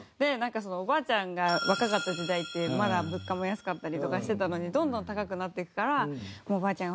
おばあちゃんが若かった時代ってまだ物価も安かったりとかしてたのにどんどん高くなっていくからおばあちゃん